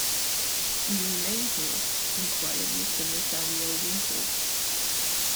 ‘Do you remain here?’ inquired Mr. Nathaniel Winkle.